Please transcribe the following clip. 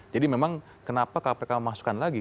jadi memang kenapa kpk masukkan lagi